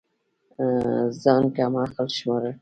ځان كم عقل شمارل